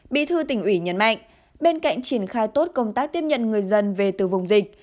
bí thư tỉnh ủy nhấn mạnh bên cạnh triển khai tốt công tác tiếp nhận người dân về từ vùng dịch